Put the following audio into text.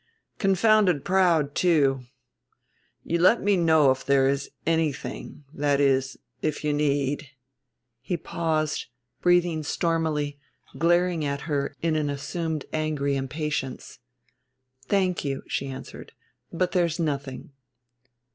Confounded proud, too. You let me know if there is anything, that is, if you need " he paused, breathing stormily, glaring at her in an assumed angry impatience. "Thank you," she answered, "but there's nothing."